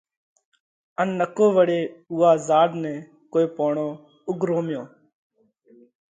ان نڪو وۯي اُوئا زاۯ نئہ ڪوئي پوڻو اُڳروميو۔